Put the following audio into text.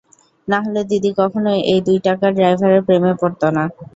নাহলে দিদি কখনোই এই দুই টাকার ড্রাইভারের প্রেমে পড়ত না।